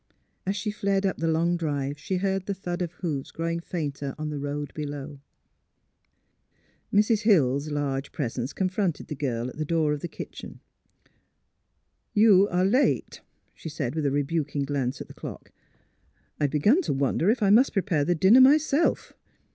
As she fled up the long drive she heard the thud of hoofs growing fainter on the road below. Mrs. Hill's large presence confronted the girl at the door of the kitchen. " You are late," she said, with a rebuking glance at the clock. '' I had begun to wonder if I must prepare the dinner myself."